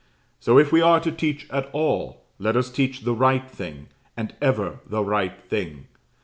So, if we are to teach at all, let us teach the right thing, and ever the right thing.